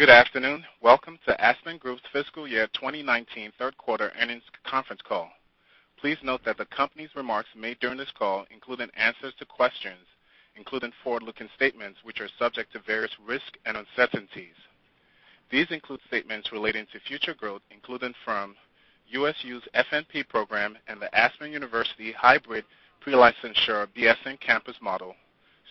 Good afternoon. Welcome to Aspen Group's fiscal year 2019 Q3 earnings conference call. Please note that the company's remarks made during this call, including answers to questions, including forward-looking statements, which are subject to various risks and uncertainties. These include statements relating to future growth, including from USU's FNP program and the Aspen University hybrid pre-licensure BSN campus model,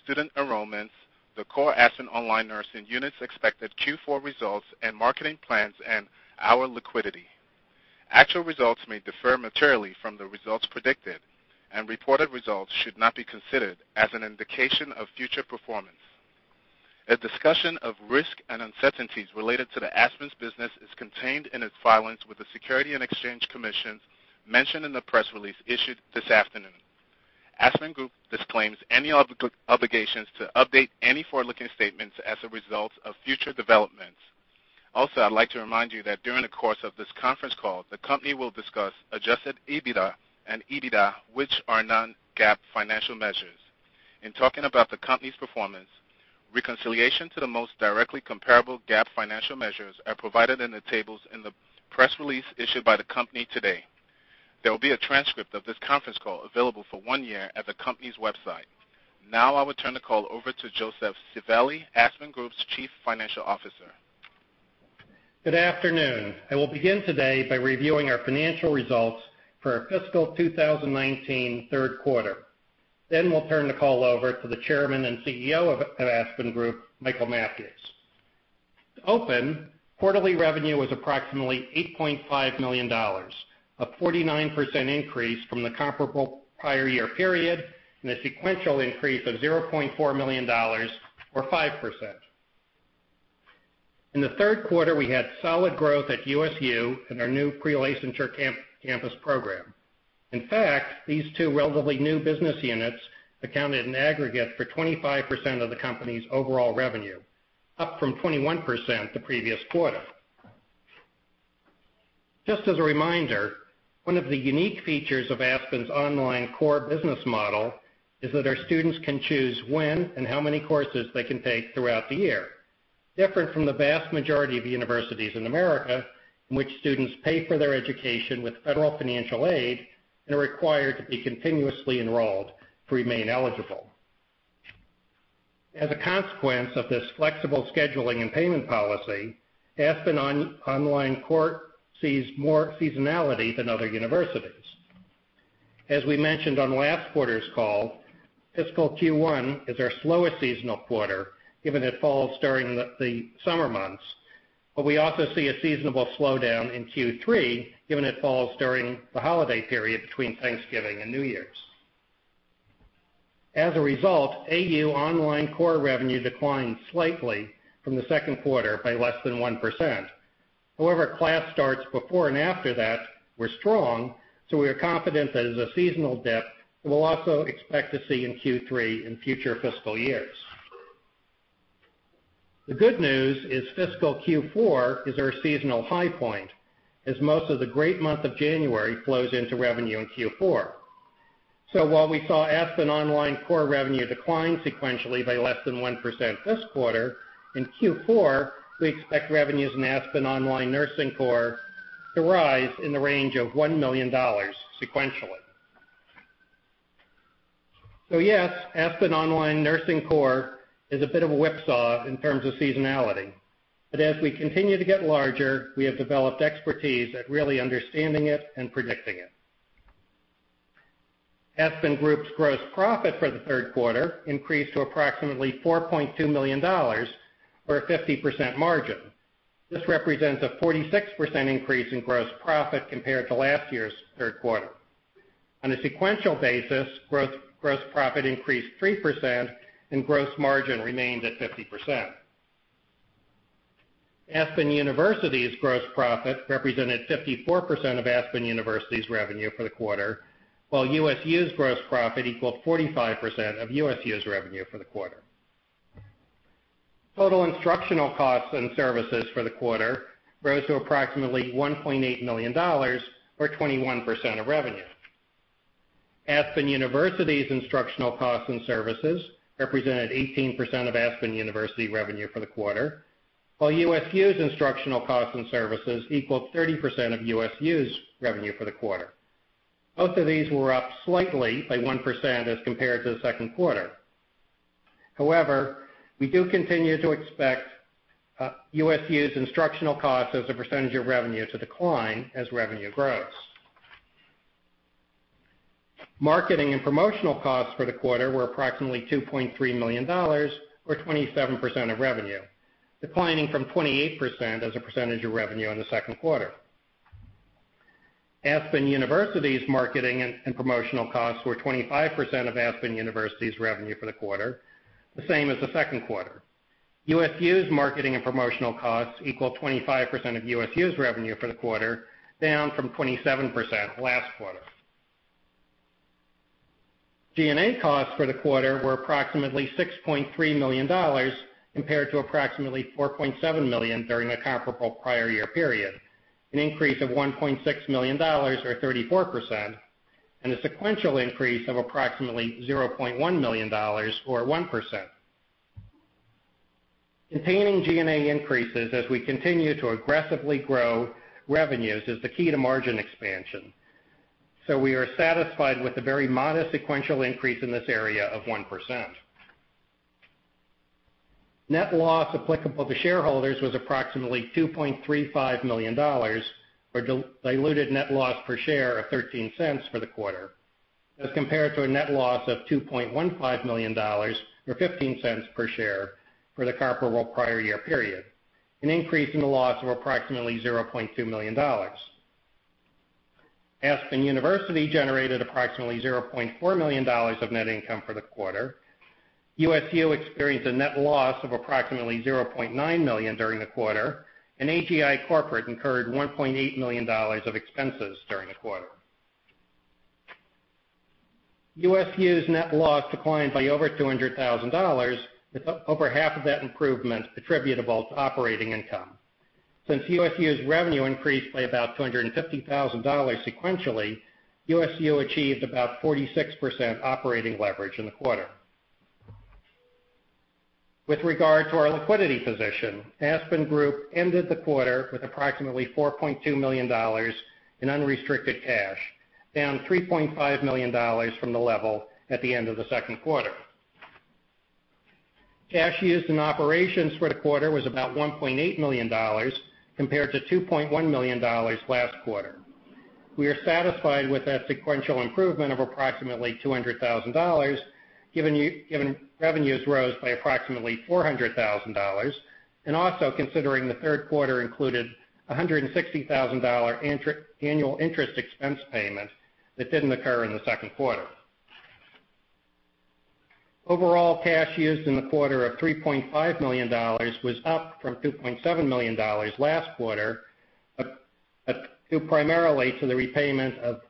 student enrollments, the core Aspen Online Nursing units' expected Q4 results, and marketing plans and our liquidity. Actual results may differ materially from the results predicted, and reported results should not be considered as an indication of future performance. A discussion of risks and uncertainties related to Aspen's business is contained in its filings with the Securities and Exchange Commission mentioned in the press release issued this afternoon. Aspen Group disclaims any obligations to update any forward-looking statements as a result of future developments. I'd like to remind you that during the course of this conference call, the company will discuss adjusted EBITDA and EBITDA, which are non-GAAP financial measures. In talking about the company's performance, reconciliation to the most directly comparable GAAP financial measures are provided in the tables in the press release issued by the company today. There will be a transcript of this conference call available for one year at the company's website. I will turn the call over to Joseph Sevely, Aspen Group's chief financial officer. Good afternoon. I will begin today by reviewing our financial results for our fiscal 2019 Q3. We'll turn the call over to the Chairman and CEO of Aspen Group, Michael Mathews. Quarterly revenue was approximately $8.5 million, a 49% increase from the comparable prior year period and a sequential increase of $0.4 million, or 5%. In the third quarter, we had solid growth at USU in our new pre-licensure campus program. In fact, these two relatively new business units accounted in aggregate for 25% of the company's overall revenue, up from 21% the previous quarter. Just as a reminder, one of the unique features of Aspen's online core business model is that our students can choose when and how many courses they can take throughout the year, different from the vast majority of universities in America, in which students pay for their education with federal financial aid and are required to be continuously enrolled to remain eligible. As a consequence of this flexible scheduling and payment policy, Aspen Online Core sees more seasonality than other universities. As we mentioned on last quarter's call, fiscal Q1 is our slowest seasonal quarter, given it falls during the summer months, but we also see a seasonable slowdown in Q3, given it falls during the holiday period between Thanksgiving and New Year's. AU Online Core revenue declined slightly from Q2 by less than 1%. Class starts before and after that were strong, so we are confident that is a seasonal dip we will also expect to see in Q3 in future fiscal years. The good news is fiscal Q4 is our seasonal high point, as most of the great month of January flows into revenue in Q4. While we saw Aspen Online Core revenue decline sequentially by less than 1% this quarter, in Q4, we expect revenues in Aspen Online Nursing Core to rise in the range of $1 million sequentially. Yes, Aspen Online Nursing Core is a bit of a whipsaw in terms of seasonality. As we continue to get larger, we have developed expertise at really understanding it and predicting it. Aspen Group's gross profit for Q3 increased to approximately $4.2 million, or a 50% margin. This represents a 46% increase in gross profit compared to last year's Q3. On a sequential basis, gross profit increased 3% and gross margin remained at 50%. Aspen University's gross profit represented 54% of Aspen University's revenue for the quarter, while USU's gross profit equaled 45% of USU's revenue for the quarter. Total instructional costs and services for the quarter rose to approximately $1.8 million, or 21% of revenue. Aspen University's instructional costs and services represented 18% of Aspen University revenue for the quarter, while USU's instructional costs and services equaled 30% of USU's revenue for the quarter. Both of these were up slightly by 1% as compared to Q2. We do continue to expect USU's instructional costs as a percentage of revenue to decline as revenue grows. Marketing and promotional costs for the quarter were approximately $2.3 million, or 27% of revenue, declining from 28% as a percentage of revenue in Q2. Aspen University's marketing and promotional costs were 25% of Aspen University's revenue for the quarter, the same as Q2. USU's marketing and promotional costs equaled 25% of USU's revenue for the quarter, down from 27% last quarter. G&A costs for the quarter were approximately $6.3 million compared to approximately $4.7 million during the comparable prior year period, an increase of $1.6 million, or 34%. A sequential increase of approximately $0.1 million or 1%. Containing G&A increases as we continue to aggressively grow revenues is the key to margin expansion. We are satisfied with the very modest sequential increase in this area of 1%. Net loss applicable to shareholders was approximately $2.35 million, or diluted net loss per share of $0.13 for the quarter, as compared to a net loss of $2.15 million or $0.15 per share for the comparable prior year period, an increase in the loss of approximately $0.2 million. Aspen University generated approximately $0.4 million of net income for the quarter. USU experienced a net loss of approximately $0.9 million during the quarter, and AGI Corporate incurred $1.8 million of expenses during the quarter. USU's net loss declined by over $200,000, with over half of that improvement attributable to operating income. Since USU's revenue increased by about $250,000 sequentially, USU achieved about 46% operating leverage in the quarter. With regard to our liquidity position, Aspen Group ended the quarter with approximately $4.2 million in unrestricted cash, down $3.5 million from the level at the end of Q2. Cash used in operations for the quarter was about $1.8 million, compared to $2.1 million last quarter. We are satisfied with that sequential improvement of approximately $200,000, given revenues rose by approximately $400,000. Also considering Q3 included a $160,000 annual interest expense payment that didn't occur in Q2. Overall, cash used in the quarter of $3.5 million was up from $2.7 million last quarter, due primarily to the repayment of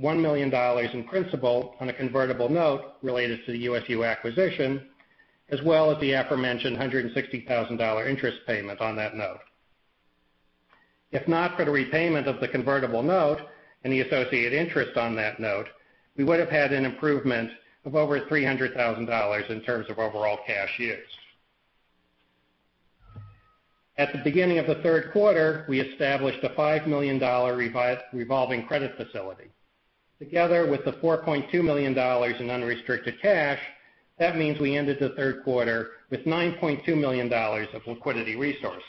$1 million in principal on a convertible note related to the USU acquisition, as well as the aforementioned $160,000 interest payment on that note. If not for the repayment of the convertible note and the associated interest on that note, we would have had an improvement of over $300,000 in terms of overall cash used. At the beginning of the third quarter, we established a $5 million revolving credit facility. Together with the $4.2 million in unrestricted cash, that means we ended the third quarter with $9.2 million of liquidity resources.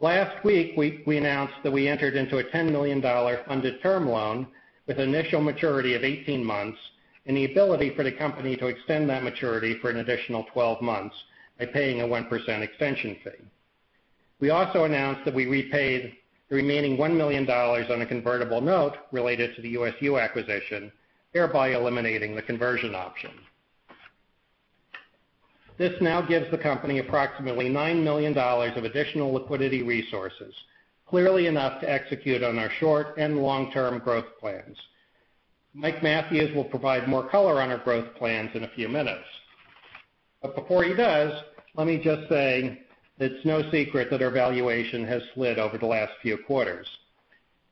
Last week, we announced that we entered into a $10 million undeterm loan with initial maturity of 18 months and the ability for the company to extend that maturity for an additional 12 months by paying a 1% extension fee. We also announced that we repaid the remaining $1 million on a convertible note related to the USU acquisition, thereby eliminating the conversion option. This now gives the company approximately $9 million of additional liquidity resources, clearly enough to execute on our short and long-term growth plans. Michael Mathews will provide more color on our growth plans in a few minutes. Before he does, let me just say it's no secret that our valuation has slid over the last few quarters.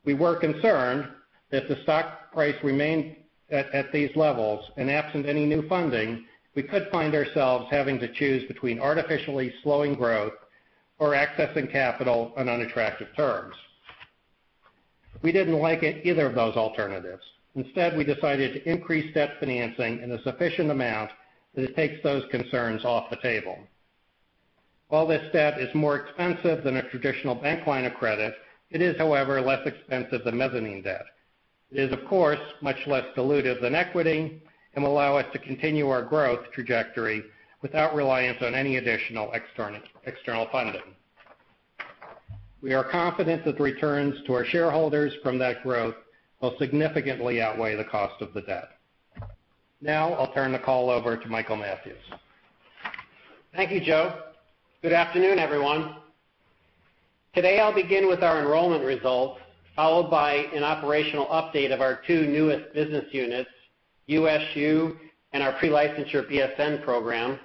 We were concerned that if the stock price remained at these levels and absent any new funding, we could find ourselves having to choose between artificially slowing growth or accessing capital on unattractive terms. We didn't like either of those alternatives. Instead, we decided to increase debt financing in a sufficient amount that it takes those concerns off the table. While this debt is more expensive than a traditional bank line of credit, it is, however, less expensive than mezzanine debt. It is, of course, much less dilutive than equity and will allow us to continue our growth trajectory without reliance on any additional external funding. We are confident that the returns to our shareholders from that growth will significantly outweigh the cost of the debt. I'll turn the call over to Michael Mathews. Thank you, Joseph. Good afternoon, everyone. Today, I'll begin with our enrollment results, followed by an operational update of our two newest business units, USU and our pre-licensure BSN program.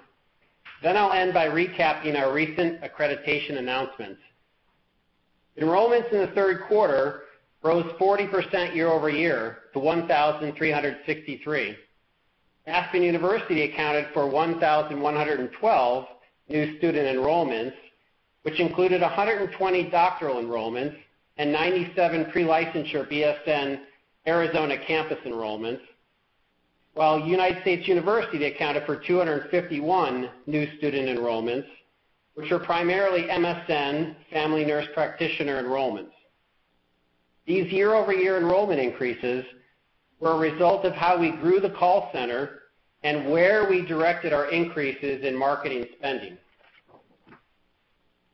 I'll end by recapping our recent accreditation announcements. Enrollments in the third quarter rose 40% year-over-year to 1,363. Aspen University accounted for 1,112 new student enrollments, which included 120 doctoral enrollments and 97 pre-licensure BSN Arizona campus enrollments. United States University accounted for 251 new student enrollments, which are primarily MSN Family Nurse Practitioner enrollments. These year-over-year enrollment increases were a result of how we grew the call center and where we directed our increases in marketing spending.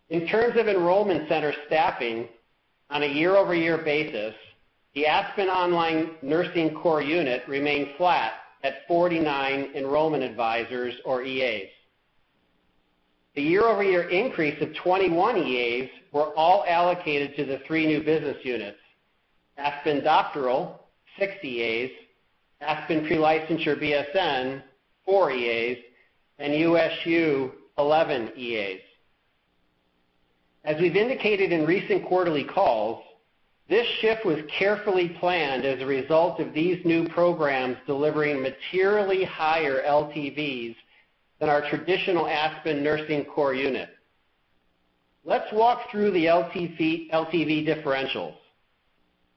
In terms of enrollment center staffing on a year-over-year basis, the Aspen Online Nursing Core unit remains flat at 49 enrollment advisors or EAs. The year-over-year increase of 21 EAs were all allocated to the three new business units, Aspen Doctoral, 6 EAs, Aspen Pre-Licensure BSN, four EAs, and USU, 11 EAs. As we've indicated in recent quarterly calls, this shift was carefully planned as a result of these new programs delivering materially higher LTVs than our traditional Aspen Online Nursing core unit. Let's walk through the LTV differentials.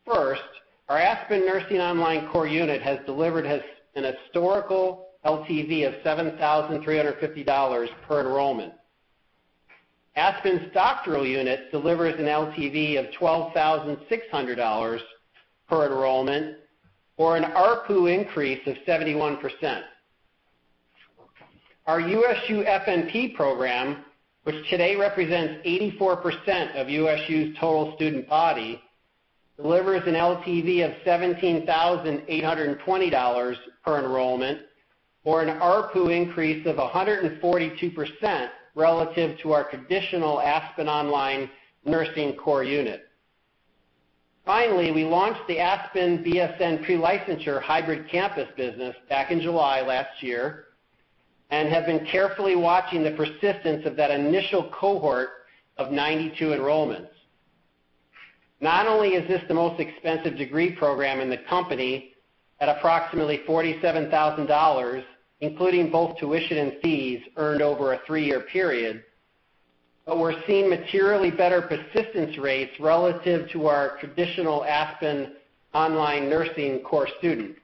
First, our Aspen Online Nursing core unit has delivered an historical LTV of $7,350 per enrollment. Aspen's doctoral unit delivers an LTV of $12,600 per enrollment or an ARPU increase of 71%. Our USU FNP program, which today represents 84% of USU's total student body, delivers an LTV of $17,820 per enrollment or an ARPU increase of 142% relative to our traditional Aspen Online Nursing core unit. We launched the Aspen BSN Pre-Licensure hybrid campus business back in July last year and have been carefully watching the persistence of that initial cohort of 92 enrollments. Not only is this the most expensive degree program in the company at approximately $47,000, including both tuition and fees earned over a three-year period, but we're seeing materially better persistence rates relative to our traditional Aspen Online Nursing core student.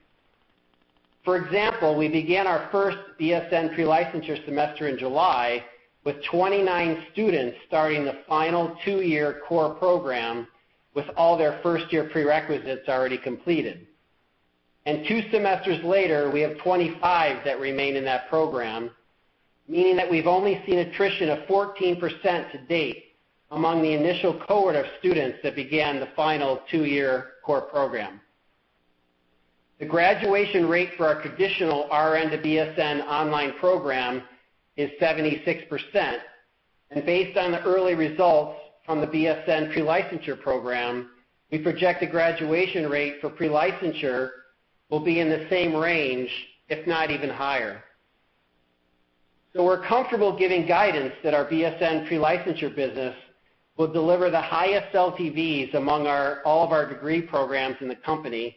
For example, we began our first BSN pre-licensure semester in July with 29 students starting the final two-year core program with all their first-year prerequisites already completed. Two semesters later, we have 25 that remain in that program, meaning that we've only seen attrition of 14% to date among the initial cohort of students that began the final two-year core program. The graduation rate for our traditional RN to BSN online program is 76%, and based on the early results from the BSN pre-licensure program, we project the graduation rate for pre-licensure will be in the same range, if not even higher. We're comfortable giving guidance that our BSN pre-licensure business will deliver the highest LTVs among all of our degree programs in the company,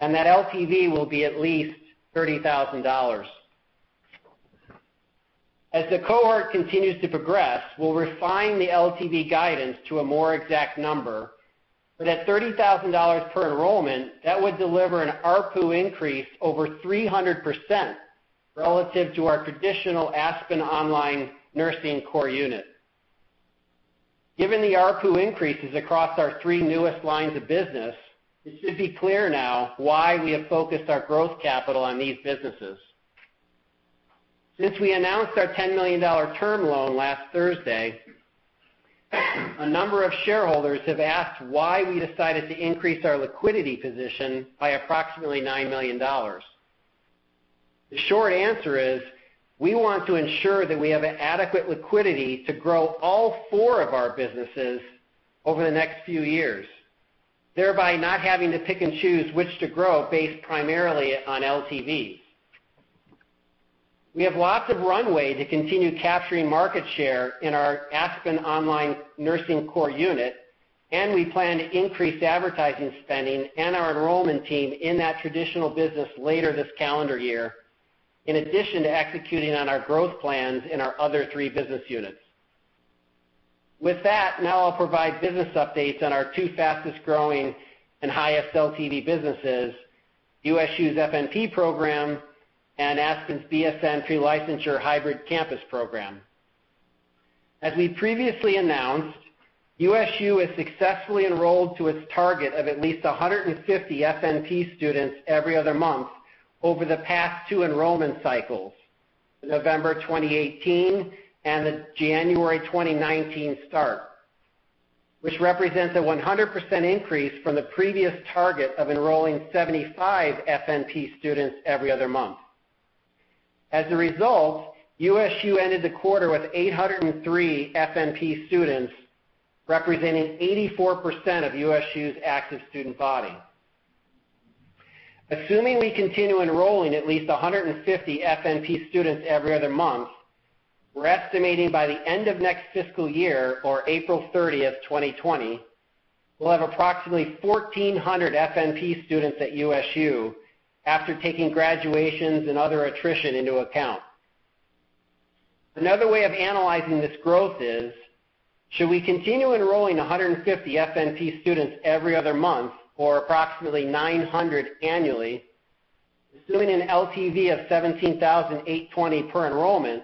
and that LTV will be at least $30,000. As the cohort continues to progress, we'll refine the LTV guidance to a more exact number. At $30,000 per enrollment, that would deliver an ARPU increase over 300% relative to our traditional Aspen Online Nursing core unit. Given the ARPU increases across our three newest lines of business, it should be clear now why we have focused our growth capital on these businesses. Since we announced our $10 million term loan last Thursday, a number of shareholders have asked why we decided to increase our liquidity position by approximately $9 million. The short answer is we want to ensure that we have adequate liquidity to grow all four of our businesses over the next few years, thereby not having to pick and choose which to grow based primarily on LTV. We have lots of runway to continue capturing market share in our Aspen Online Nursing core unit, and we plan to increase advertising spending and our enrollment team in that traditional business later this calendar year, in addition to executing on our growth plans in our other three business units. Now I'll provide business updates on our two fastest-growing and highest LTV businesses, USU's FNP program and Aspen's BSN pre-licensure hybrid campus program. As we previously announced, USU has successfully enrolled to its target of at least 150 FNP students every other month over the past two enrollment cycles, the November 2018 and the January 2019 start, which represents a 100% increase from the previous target of enrolling 75 FNP students every other month. As a result, USU ended the quarter with 803 FNP students, representing 84% of USU's active student body. Assuming we continue enrolling at least 150 FNP students every other month, we're estimating by the end of next fiscal year, or April 30th, 2020, we'll have approximately 1,400 FNP students at USU after taking graduations and other attrition into account. Another way of analyzing this growth is, should we continue enrolling 150 FNP students every other month or approximately 900 annually, assuming an LTV of $17,820 per enrollment,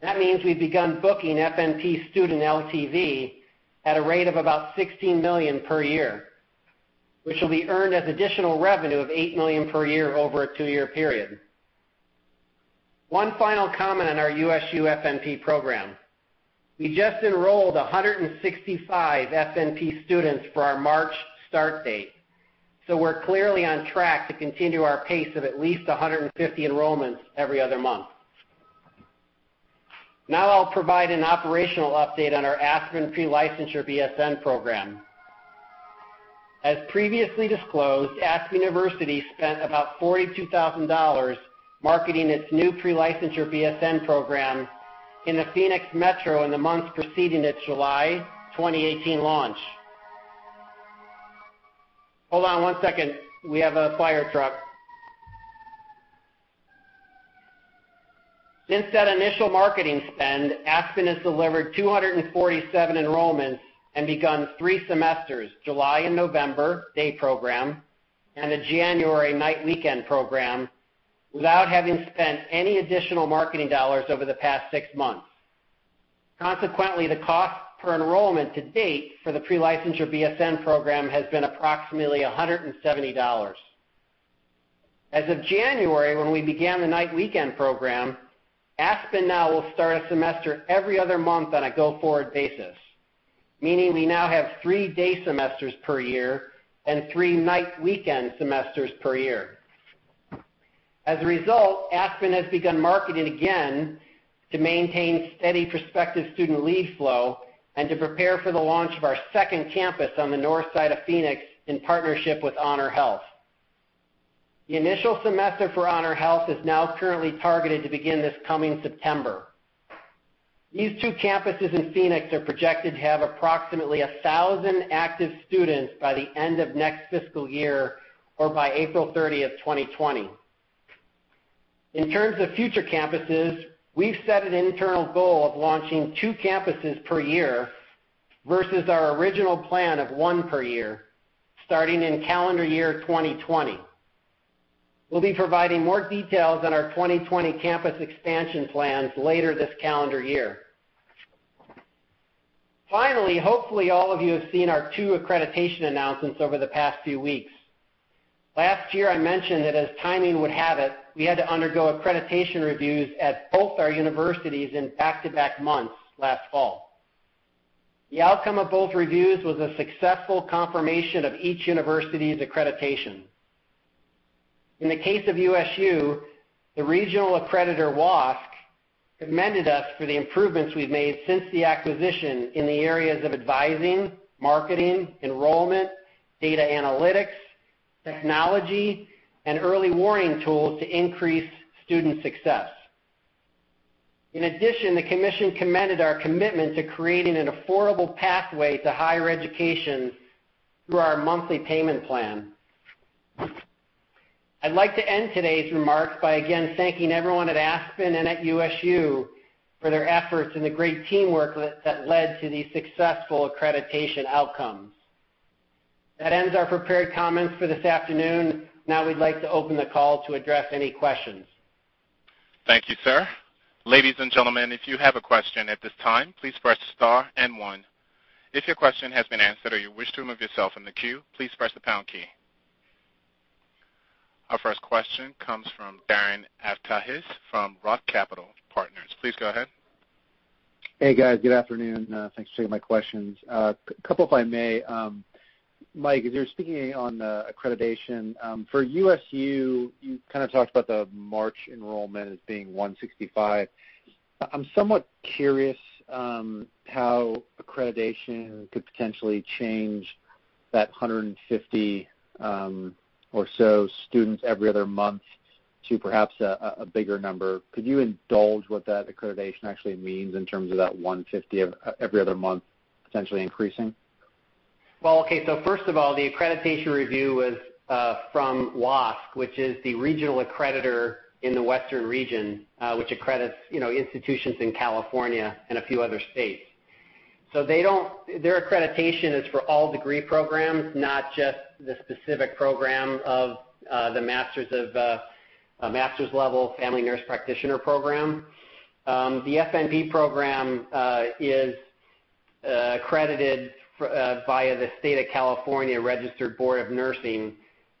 that means we've begun booking FNP student LTV at a rate of about $16 million per year, which will be earned as additional revenue of $8 million per year over a two-year period. One final comment on our USU FNP program. We just enrolled 165 FNP students for our March start date. We're clearly on track to continue our pace of at least 150 enrollments every other month. Now I'll provide an operational update on our Aspen pre-licensure BSN program. As previously disclosed, Aspen University spent about $42,000 marketing its new pre-licensure BSN program in the Phoenix metro in the months preceding its July 2018 launch. Hold on one second. We have a firetruck. Since that initial marketing spend, Aspen has delivered 247 enrollments and begun three semesters, July and November day program, and a January night weekend program, without having spent any additional marketing dollars over the past six months. Consequently, the cost per enrollment to date for the pre-licensure BSN program has been approximately $170. As of January, when we began the night weekend program, Aspen now will start a semester every other month on a go-forward basis, meaning we now have three day semesters per year and three night weekend semesters per year. As a result, Aspen has begun marketing again to maintain steady prospective student lead flow and to prepare for the launch of our second campus on the north side of Phoenix in partnership with HonorHealth. The initial semester for HonorHealth is now currently targeted to begin this coming September. These two campuses in Phoenix are projected to have approximately 1,000 active students by the end of next fiscal year or by April 30th, 2020. In terms of future campuses, we've set an internal goal of launching two campuses per year versus our original plan of one per year, starting in calendar year 2020. We'll be providing more details on our 2020 campus expansion plans later this calendar year. Hopefully all of you have seen our two accreditation announcements over the past few weeks. Last year, I mentioned that as timing would have it, we had to undergo accreditation reviews at both our universities in back-to-back months last fall. The outcome of both reviews was a successful confirmation of each university's accreditation. In the case of USU, the regional accreditor, WASC, commended us for the improvements we've made since the acquisition in the areas of advising, marketing, enrollment, data analytics, technology, and early warning tools to increase student success. In addition, the commission commended our commitment to creating an affordable pathway to higher education through our monthly payment plan. I'd like to end today's remarks by again thanking everyone at Aspen and at USU for their efforts and the great teamwork that led to these successful accreditation outcomes. That ends our prepared comments for this afternoon. Now we'd like to open the call to address any questions. Thank you, sir. Ladies and gentlemen, if you have a question at this time, please press star and one. If your question has been answered or you wish to remove yourself from the queue, please press the pound key. Our first question comes from Darren Aftahi from Roth Capital Partners. Please go ahead. Hey, guys. Good afternoon. Thanks for taking my questions. A couple, if I may. Mike, you're speaking on accreditation. For USU, you kind of talked about the March enrollment as being 165. I'm somewhat curious how accreditation could potentially change that 150 or so students every other month to perhaps a bigger number. Could you indulge what that accreditation actually means in terms of that 150 every other month potentially increasing? Well, okay. First of all, the accreditation review was from WASC, which is the regional accreditor in the Western region, which accredits institutions in California and a few other states. Their accreditation is for all degree programs, not just the specific program of the master's level Family Nurse Practitioner program. The FNP program is accredited via the California Board of Registered Nursing.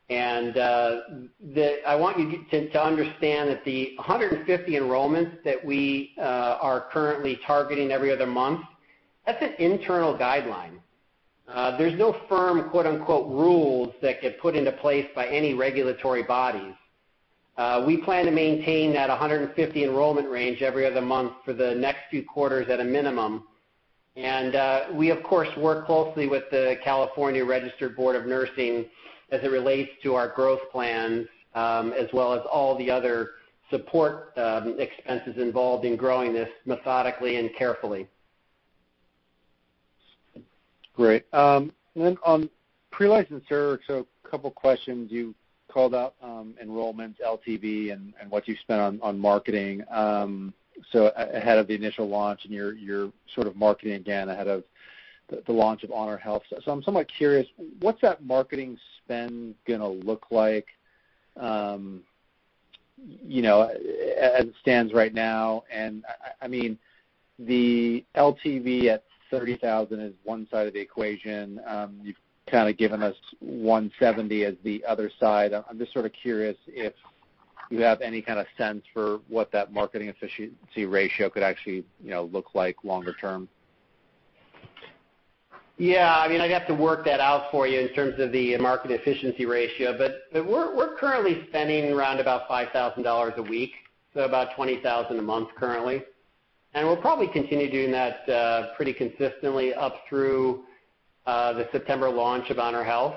I want you to understand that the 150 enrollments that we are currently targeting every other month, that's an internal guideline. There's no firm, quote-unquote, "rules" that get put into place by any regulatory bodies. We plan to maintain that 150 enrollment range every other month for the next few quarters at a minimum. We, of course, work closely with the California Board of Registered Nursing as it relates to our growth plans, as well as all the other support expenses involved in growing this methodically and carefully. Great. On pre-licensure, a couple of questions. You called out enrollment, LTV, and what you spent on marketing. Ahead of the initial launch, you're sort of marketing again ahead of the launch of HonorHealth. I'm somewhat curious, what's that marketing spend going to look like as it stands right now? I mean, the LTV at $30,000 is one side of the equation. You've kind of given us $170 as the other side. I'm just sort of curious if you have any kind of sense for what that marketing efficiency ratio could actually look like longer term. Yeah. I'd have to work that out for you in terms of the market efficiency ratio. We're currently spending around about $5,000 a week, about $20,000 a month currently. We'll probably continue doing that pretty consistently up through the September launch of HonorHealth.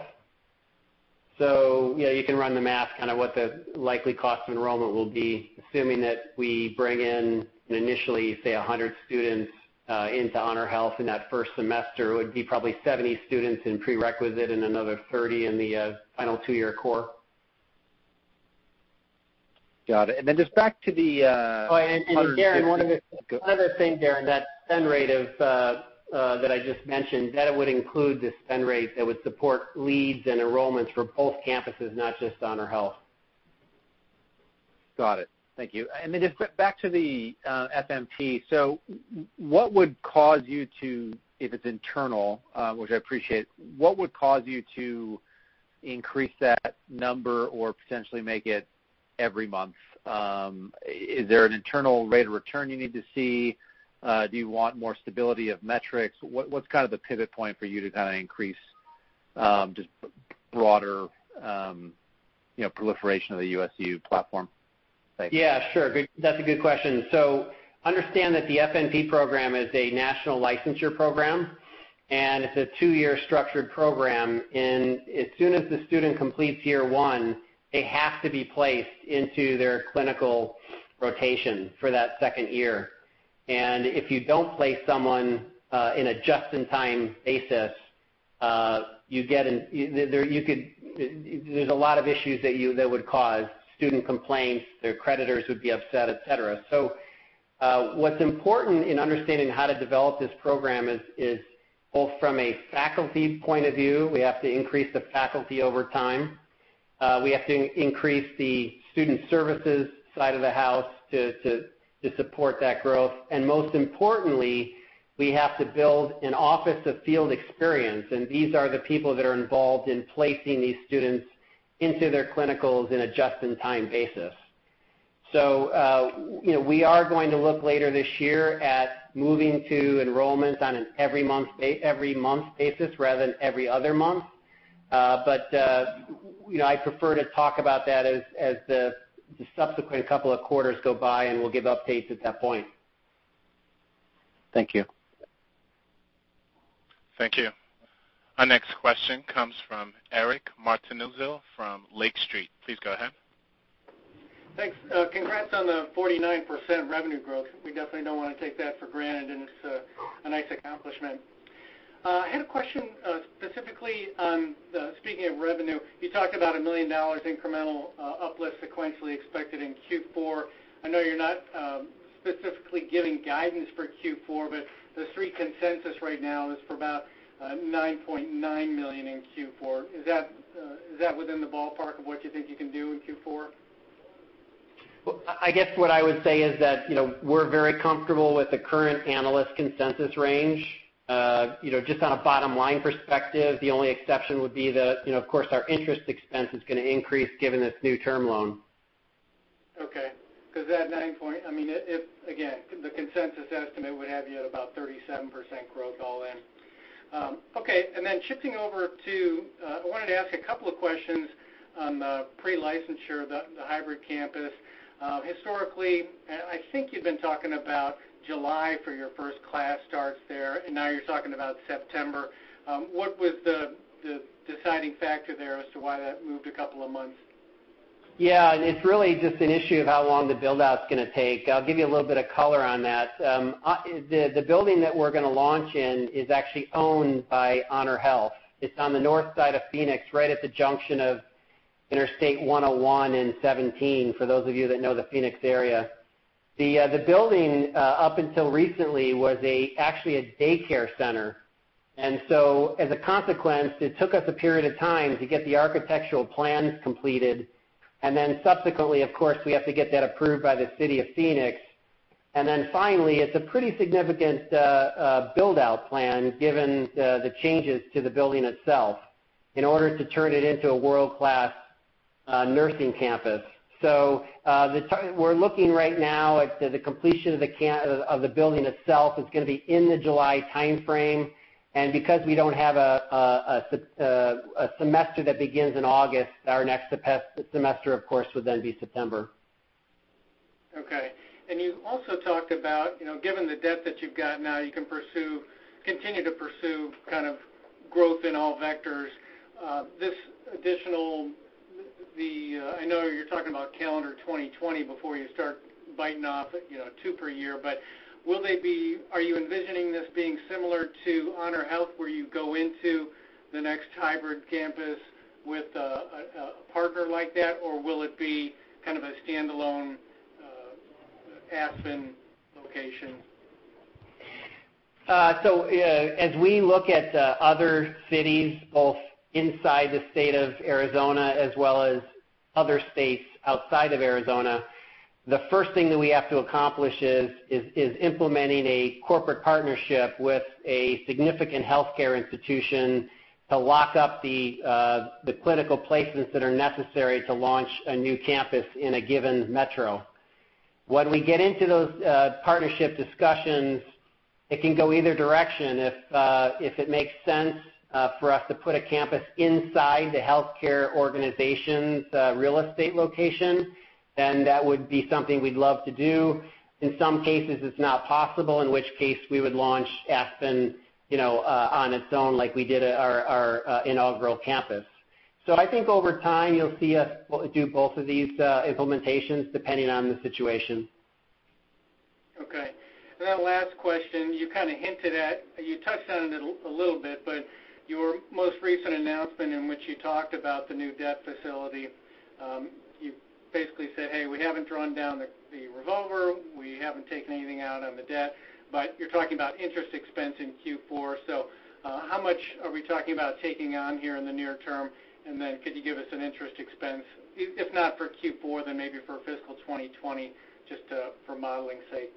Yeah, you can run the math kind of what the likely cost of enrollment will be, assuming that we bring in initially, say, 100 students into HonorHealth in that first semester. Would be probably 70 students in prerequisite and another 30 in the final two-year core. Got it. Oh, Darren, one other thing, Darren, that spend rate that I just mentioned, that would include the spend rate that would support leads and enrollments for both campuses, not just HonorHealth. Got it. Thank you. Then just back to the FNP. What would cause you to, if it's internal, which I appreciate, what would cause you to increase that number or potentially make it every month? Is there an internal rate of return you need to see? Do you want more stability of metrics? What's the pivot point for you to kind of increase just broader proliferation of the USU platform? Thanks. Yeah, sure. That's a good question. Understand that the FNP program is a national licensure program, and it's a two-year structured program. As soon as the student completes year one, they have to be placed into their clinical rotation for that second year. If you don't place someone in a just-in-time basis, there's a lot of issues that would cause student complaints, their creditors would be upset, et cetera. What's important in understanding how to develop this program is both from a faculty point of view, we have to increase the faculty over time. We have to increase the student services side of the house to support that growth. Most importantly, we have to build an office of field experience, and these are the people that are involved in placing these students into their clinicals in a just-in-time basis. We are going to look later this year at moving to enrollment on an every month basis rather than every other month. I prefer to talk about that as the subsequent couple of quarters go by, and we'll give updates at that point. Thank you. Thank you. Our next question comes from Eric Martinuzzi from Lake Street. Please go ahead. Thanks. Congrats on the 49% revenue growth. We definitely don't want to take that for granted. It's a nice accomplishment. I had a question specifically on the speaking of revenue. You talked about $1 million incremental uplift sequentially expected in Q4. I know you're not specifically giving guidance for Q4, the street consensus right now is for about $9.9 million in Q4. Is that within the ballpark of what you think you can do in Q4? Well, I guess what I would say is that we're very comfortable with the current analyst consensus range. Just on a bottom-line perspective, the only exception would be that, of course, our interest expense is going to increase given this new term loan. Okay. Because again, the consensus estimate would have you at about 37% growth all in. Okay. Shifting over to, I wanted to ask a couple of questions on the pre-licensure of the hybrid campus. Historically, I think you've been talking about July for your first class starts there, and now you're talking about September. What was the deciding factor there as to why that moved a couple of months? Yeah. It's really just an issue of how long the build-out's going to take. I'll give you a little bit of color on that. The building that we're going to launch in is actually owned by HonorHealth. It's on the north side of Phoenix, right at the junction of Interstate 101 and 17, for those of you that know the Phoenix area. The building, up until recently, was actually a daycare center. As a consequence, it took us a period of time to get the architectural plans completed, subsequently, of course, we have to get that approved by the City of Phoenix. Finally, it's a pretty significant build-out plan given the changes to the building itself in order to turn it into a world-class nursing campus. We're looking right now at the completion of the building itself is going to be in the July timeframe. Because we don't have a semester that begins in August, our next semester, of course, would then be September. Okay. You also talked about, given the debt that you've got now, you can continue to pursue growth in all vectors. I know you're talking about calendar 2020 before you start biting off two per year, but are you envisioning this being similar to HonorHealth where you go into the next hybrid campus with a partner like that, or will it be kind of a standalone Aspen location? As we look at other cities, both inside the state of Arizona as well as other states outside of Arizona, the first thing that we have to accomplish is implementing a corporate partnership with a significant healthcare institution to lock up the clinical places that are necessary to launch a new campus in a given metro. When we get into those partnership discussions, it can go either direction. If it makes sense for us to put a campus inside the healthcare organization's real estate location, then that would be something we'd love to do. In some cases, it's not possible, in which case, we would launch Aspen on its own, like we did our inaugural campus. I think over time you'll see us do both of these implementations depending on the situation. Okay. Last question, you kind of hinted at, you touched on it a little bit, your most recent announcement in which you talked about the new debt facility, you basically said, Hey, we haven't drawn down the revolver, we haven't taken anything out on the debt. You're talking about interest expense in Q4. How much are we talking about taking on here in the near term? Could you give us an interest expense, if not for Q4, then maybe for fiscal 2020, just for modeling's sake?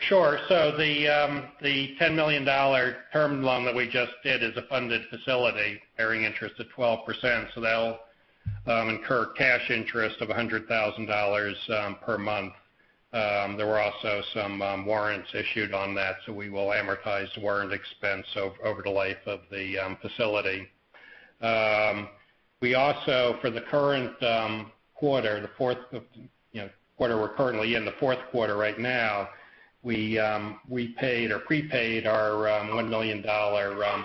Sure. The $10 million term loan that we just did is a funded facility bearing interest of 12%, that'll incur cash interest of $100,000 per month. There were also some warrants issued on that, we will amortize warrant expense over the life of the facility. We also, for the current quarter, the Q4, we're currently in Q4 right now, we paid or prepaid our $1 million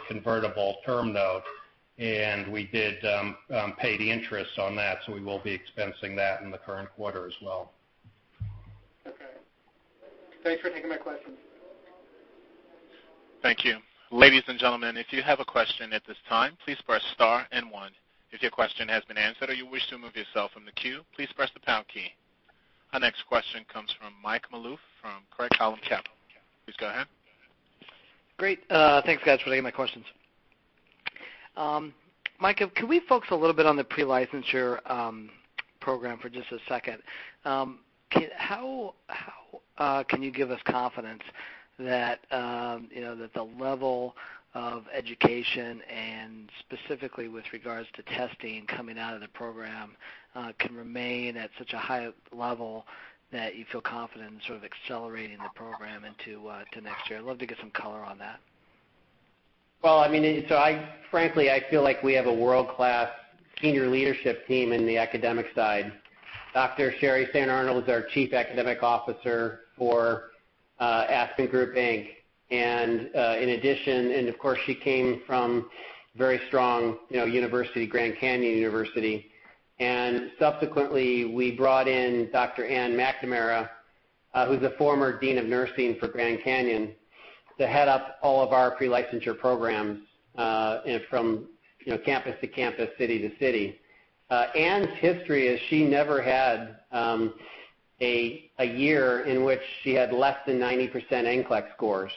convertible term loan, and we did pay the interest on that, we will be expensing that in the current quarter as well. Okay. Thanks for taking my questions. Thank you. Ladies and gentlemen, if you have a question at this time, please press star and one. If your question has been answered or you wish to remove yourself from the queue, please press the pound key. Our next question comes from Mike Malouf from Craig-Hallum Capital. Please go ahead. Great. Thanks, guys, for taking my questions. Micah, can we focus a little bit on the pre-licensure program for just a second? How can you give us confidence that the level of education, and specifically with regards to testing coming out of the program, can remain at such a high level that you feel confident in sort of accelerating the program into next year? I'd love to get some color on that. Well, frankly, I feel like we have a world-class senior leadership team in the academic side. Dr. Cherron Hoppes is our Chief Academic Officer for Aspen Group, Inc. In addition, of course, she came from a very strong university, Grand Canyon University. Subsequently, we brought in Dr. Anne McNamara, who's a former Dean of Nursing for Grand Canyon, to head up all of our pre-licensure programs from campus to campus, city to city. Anne's history is she never had a year in which she had less than 90% NCLEX scores.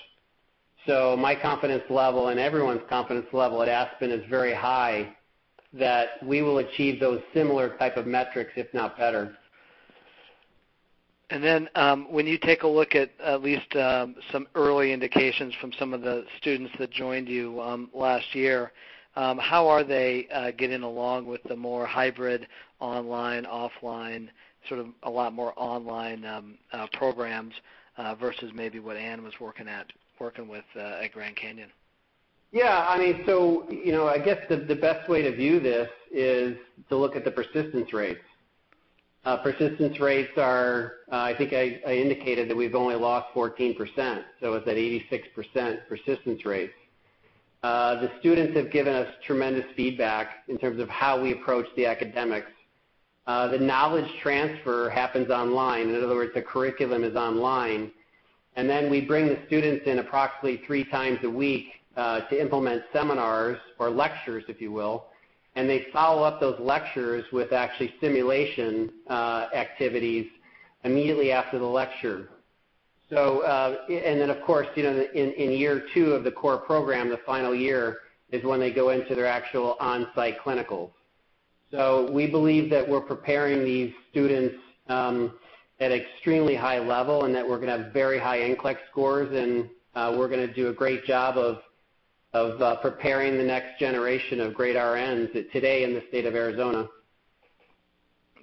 My confidence level and everyone's confidence level at Aspen is very high that we will achieve those similar type of metrics, if not better. When you take a look at least some early indications from some of the students that joined you last year, how are they getting along with the more hybrid online/offline, sort of a lot more online programs, versus maybe what Anne was working with at Grand Canyon? Yeah. I guess the best way to view this is to look at the persistence rates. Persistence rates are, I think I indicated that we've only lost 14%, so it's an 86% persistence rate. The students have given us tremendous feedback in terms of how we approach the academics. The knowledge transfer happens online. In other words, the curriculum is online. Then we bring the students in approximately three times a week to implement seminars or lectures, if you will, and they follow up those lectures with actually simulation activities immediately after the lecture. Then, of course, in year two of the core program, the final year is when they go into their actual onsite clinicals. We believe that we're preparing these students at extremely high level and that we're going to have very high NCLEX scores, and we're going to do a great job of preparing the next generation of great RNs today in the state of Arizona.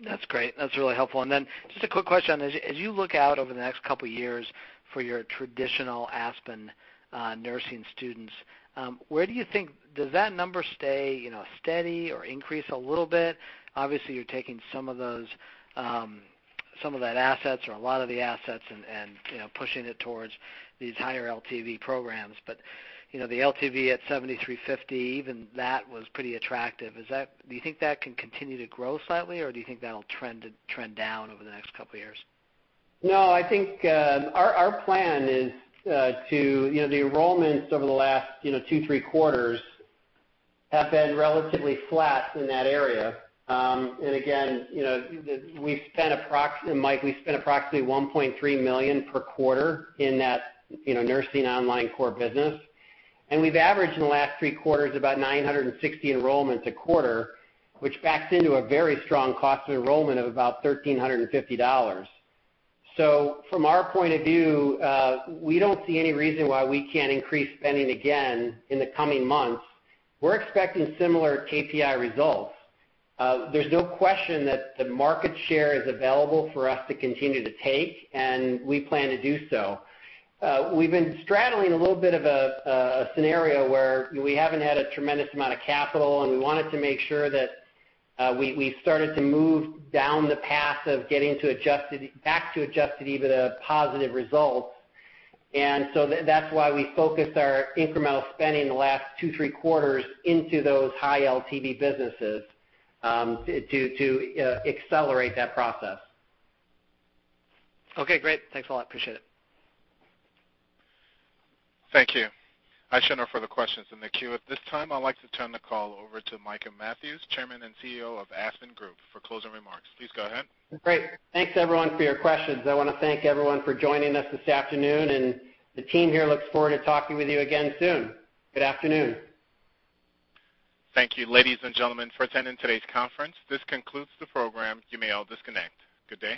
That's great. That's really helpful. Then just a quick question. As you look out over the next couple of years for your traditional Aspen nursing students, where do you think, does that number stay steady or increase a little bit? Obviously, you're taking some of that assets or a lot of the assets and pushing it towards these higher LTV programs. The LTV at $7,350, even that was pretty attractive. Do you think that can continue to grow slightly, or do you think that'll trend down over the next couple of years? No, the enrollments over the last two, three quarters have been relatively flat in that area. Again, Mike, we spent approximately $1.3 million per quarter in that nursing online core business. We've averaged in the last three quarters about 960 enrollments a quarter, which backs into a very strong cost of enrollment of about $1,350. From our point of view, we don't see any reason why we can't increase spending again in the coming months. We're expecting similar KPI results. There's no question that the market share is available for us to continue to take, and we plan to do so. We've been straddling a little bit of a scenario where we haven't had a tremendous amount of capital, and we wanted to make sure that we started to move down the path of getting back to adjusted EBITDA positive results. That's why we focused our incremental spending the last two, three quarters into those high LTV businesses, to accelerate that process. Okay, great. Thanks a lot. Appreciate it. Thank you. I show no further questions in the queue at this time. I'd like to turn the call over to Michael Mathews, Chairman and CEO of Aspen Group, for closing remarks. Please go ahead. Great. Thanks, everyone, for your questions. I want to thank everyone for joining us this afternoon, and the team here looks forward to talking with you again soon. Good afternoon. Thank you, ladies and gentlemen, for attending today's conference. This concludes the program. You may all disconnect. Good day.